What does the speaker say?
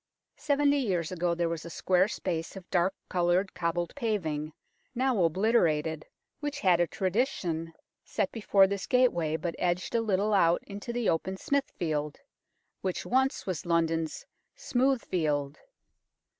Seventy years ago there was a square space of dark coloured cobbled paving, now obliterated, which had a tradition, set before this gateway M 178 UNKNOWN LONDON but edged a little out into the open Smithfield which once was London's " smooth field."